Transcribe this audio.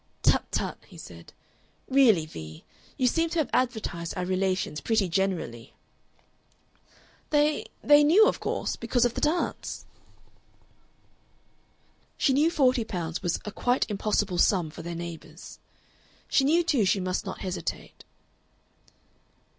"Tut, tut!" he said. "Really, Vee, you seem to have advertised our relations pretty generally!" "They they knew, of course. Because of the Dance." "How much do you owe them?" She knew forty pounds was a quite impossible sum for their neighbors. She knew, too, she must not hesitate.